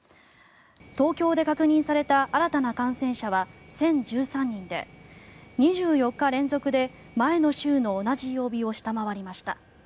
東京で確認された新たな感染者は１０１３人で２４日連続で前の週の同じ曜日を下回りました。